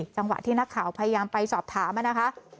จังหวะที่นักข่าวพยายามไปสอบถามนะคะ